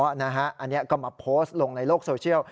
อันนี้ก็มาโพสต์ลงในโลกโซเชียล